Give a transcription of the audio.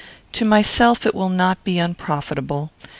To myself it will not be unprofitable.